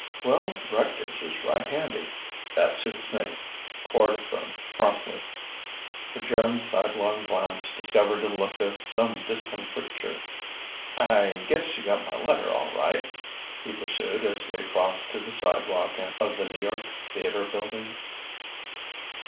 "Well, Rector's is right handy." "That suits me," Quard affirmed promptly. But Joan's sidelong glance discovered a look of some discomfiture. "I guess you got my letter, all right?" he pursued as they crossed to the sidewalk of the New York Theatre Building.